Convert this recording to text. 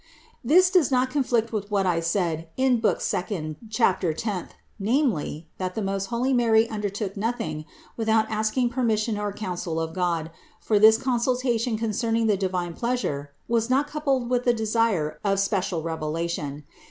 515. This does not conflict with what I said in book second, chapter tenth, namely, that the most holy Mary undertook nothing without asking permission and coun sel of God, for this consultation concerning the divine pleasure was not coupled with the desire of special revela tion.